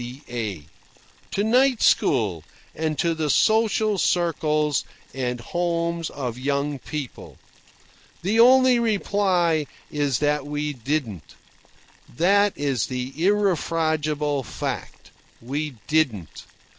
C.A., to night school, and to the social circles and homes of young people. The only reply is that we didn't. That is the irrefragable fact. We didn't.